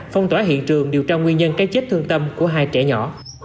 phong tỏa hiện trường điều tra nguyên nhân cái chết thương tâm của hai trẻ nhỏ